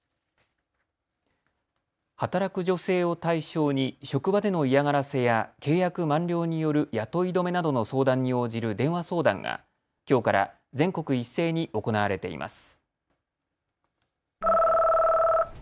働く女性を対象に職場での嫌がらせや契約満了による雇い止めなどの相談に応じる電話相談がきょうから全国一斉に行われています。